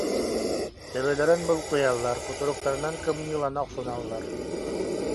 Төбөлөрүн булкуйаллар, кутуруктарынан кымньыылана охсуналлар.